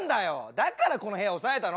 だからこの部屋押さえたの！